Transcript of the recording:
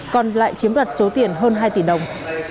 còn lại chiếm đoạt số tiền hơn hai tỷ đồng